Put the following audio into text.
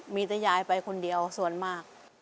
มีแต่ยายไปคนเดียวส่วนมาก